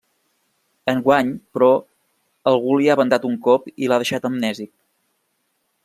Enguany, però, algú li ha ventat un cop i l'ha deixat amnèsic.